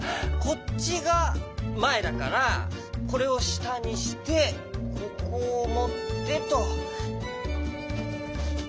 こっちがまえだからこれをしたにしてここをもってと。